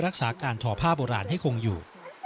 รักษาการทอผ้าโบราณให้คงอยู่